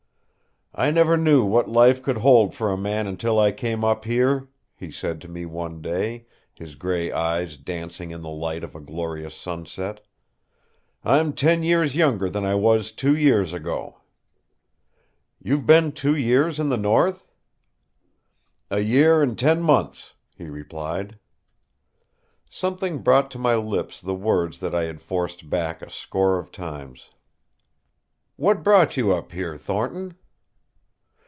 "I never knew what life could hold for a man until I came up here," he said to me one day, his gray eyes dancing in the light of a glorious sunset. "I'm ten years younger than I was two years ago." "You've been two years in the north?" "A year and ten months," he replied. Something brought to my lips the words that I had forced back a score of times. "What brought you up here, Thornton?"